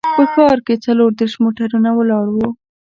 په ښار کې څلور دیرش موټرونه ولاړ وو.